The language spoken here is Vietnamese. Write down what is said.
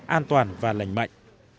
an toàn và lành mạnh